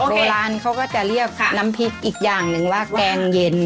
โบราณเขาก็จะเรียกน้ำพริกอีกอย่างหนึ่งว่าแกงเย็น